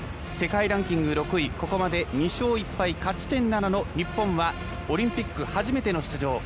世界ランキング６位ここまで２勝１敗勝ち点７の日本はオリンピック初めての出場。